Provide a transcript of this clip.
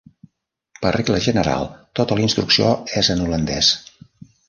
Per regla general, tota la instrucció és en holandès.